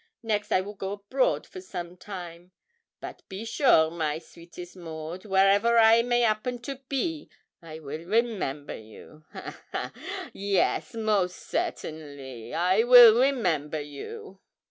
next I will go abroad for some time; but be sure, my sweetest Maud, wherever I may 'appen to be, I will remember you ah, ha! Yes; most certainly, I will remember you.